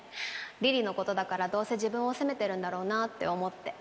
梨々のことだからどうせ自分を責めてるんだろうなって思って。